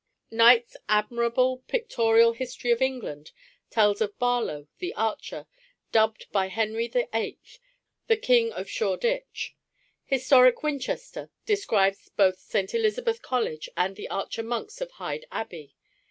Knight's admirable _Pictorial History of __England_ tells of Barlow, the archer, dubbed by Henry VIII. the King of Shoreditch. Historic Winchester describes both St. Elizabeth College and the Archer Monks of Hyde Abbey.